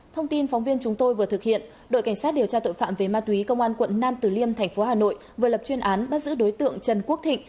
thông tin phóng viên chúng tôi vừa thực hiện đội cảnh sát điều tra tội phạm về ma túy công an quận nam tử liêm tp hcm vừa lập chuyên án bắt giữ đối tượng trần quốc thịnh